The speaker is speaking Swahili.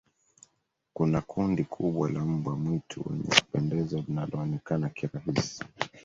kuna kundi kubwa la mbwa mwitu wenye kupendeza linaloonekana kirahisi